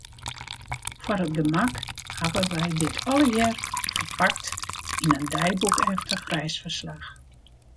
Foar it gemak hawwe wy dit allegearre ferpakt yn in deiboekeftich reisferslach.